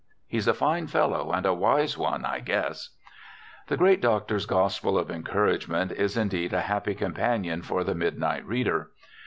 He's a fine fellow and a wise one, I guess." The great doctor's gospel of encouragement is indeed a happy companion for the midnight reader.